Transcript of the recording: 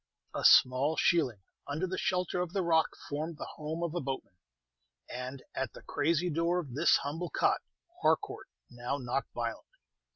A small shealing under the shelter of the rock formed the home of a boatman; and at the crazy door of this humble cot Harcourt now knocked violently.